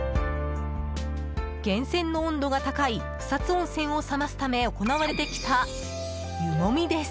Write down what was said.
源泉の温度が高い草津温泉を冷ますため行われてきた湯もみです。